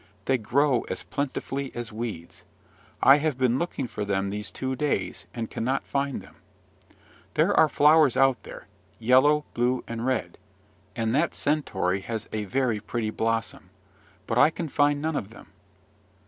they grow as plentifully as weeds; I have been looking for them these two days, and cannot find them. There are flowers out there, yellow, blue, and red; and that centaury has a very pretty blossom: but I can find none of them."